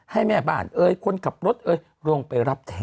ให้แม่บ้านเอ่ยคนขับรถเอ่ยลงไปรับแทน